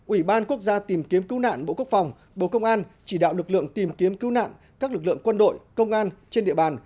ủy ban quốc gia tìm kiếm cứu nạn bộ quốc phòng bộ công an chỉ đạo lực lượng tìm kiếm cứu nạn các lực lượng quân đội công an trên địa bàn